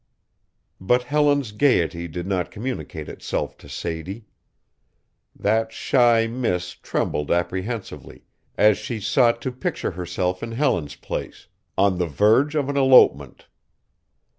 But Helen's gayety did not communicate itself to Sadie. That shy miss trembled apprehensively as she sought to picture herself in Helen's place on the verge of an elopement.